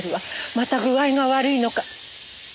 また具合が悪いのか。